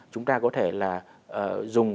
chúng ta có thể là dùng